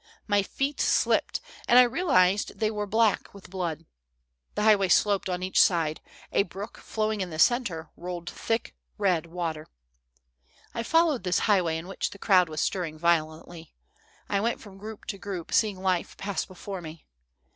My feet slipped, and I realized that they were black with blood. The highway sloped on each side ; a brook, flowing in the centre, rolled thick, red water. "I followed this highway in which the crowd was stirring violently. I went from group to group, seeing life pass before me.